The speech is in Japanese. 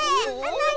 なに？